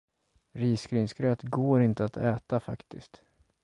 Risgrynsgröt går inte att äta, faktiskt.